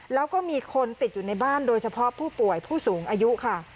แล้วก็มีคนติดอยู่ในบ้านโดยเฉพาะผู้ป่วยผู้สูงอายุค่ะ